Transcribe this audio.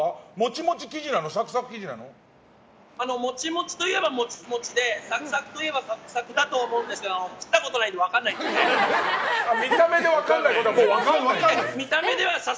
モチモチといえばモチモチでサクサクといえばサクサクと思うんですけど食ったことないので分からないです。